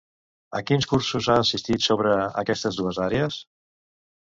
A quins cursos ha assistit sobre aquestes dues àrees?